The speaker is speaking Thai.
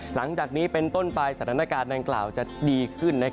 หลังจากนี้เป็นต้นไปสถานการณ์ดังกล่าวจะดีขึ้น